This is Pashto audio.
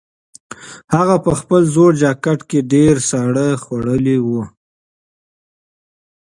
هغه په خپل زوړ جاکټ کې ډېر ساړه خوړلي وو.